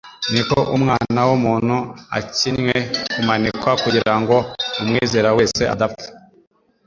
niko Umwana w'umuntu akwinye kumanikwa kugira ngo umwizera wese adapfa,